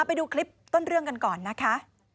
ไปดูคลิปต้นเรื่องกันก่อนนะคะ